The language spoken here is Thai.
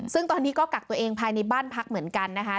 ซึ่งตอนนี้ก็กักตัวเองภายในบ้านพักเหมือนกันนะคะ